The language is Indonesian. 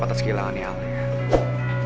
kata segilangannya alia